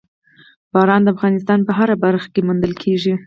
باران د افغانستان په هره برخه کې موندل کېږي.